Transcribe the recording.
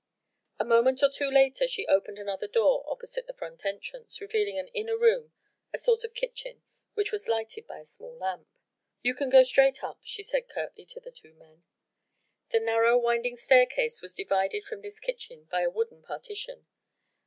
A moment or two later she opened another door opposite the front entrance, revealing an inner room a sort of kitchen which was lighted by a small lamp. "You can go straight up," she called curtly to the two men. The narrow, winding staircase was divided from this kitchen by a wooden partition.